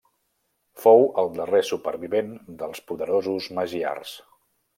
Fou el darrer supervivent dels poderosos magiars.